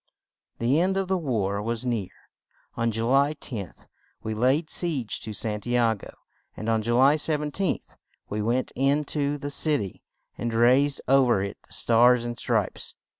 The end of the war was near; on Ju ly 10th we laid siege to San ti a go, and on Ju ly 17th we went in to the cit y and raised ov er it the Stars and Stripes.